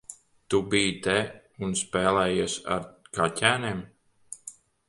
Tu biji te un spēlējies ar kaķēniem?